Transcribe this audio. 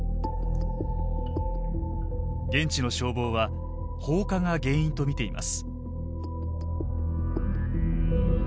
現地の消防は放火が原因と見ています。